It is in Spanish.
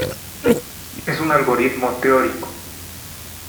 Es un algoritmo teórico.